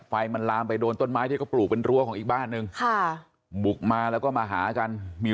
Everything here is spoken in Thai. ไฟมันลามไปโดนต้นไม้ที่เขาปลูกเป็นรั้วของอีกบ้านนึงค่ะบุกมาแล้วก็มาหากันมี